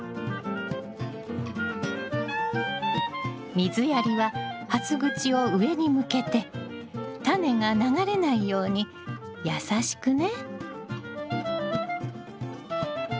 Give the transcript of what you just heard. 水やりははす口を上に向けてタネが流れないように優しくね。